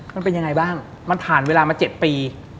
มันเป็นยังไงบ้างมันผ่านเวลามา๗ปี